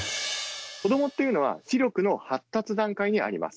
子どもっていうのは、視力の発達段階にあります。